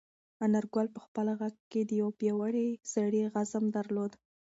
انارګل په خپل غږ کې د یو پیاوړي سړي عزم درلود.